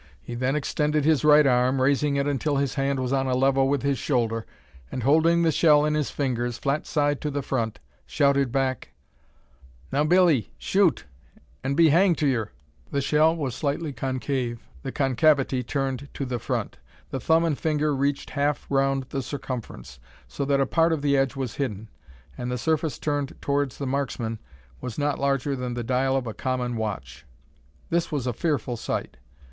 He then extended his right arm, raising it until his hand was on a level with his shoulder, and holding the shell in his fingers, flat side to the front, shouted back "Now, Billee, shoot, and be hanged to yur!" The shell was slightly concave, the concavity turned to the front. The thumb and finger reached half round the circumference, so that a part of the edge was hidden; and the surface turned towards the marksman was not larger than the dial of a common watch. This was a fearful sight.